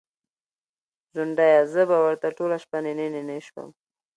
ځونډیه! زه به ورته ټوله شپه نینې نینې شوم